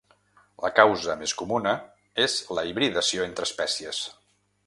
La causa més comuna és la hibridació entre espècies.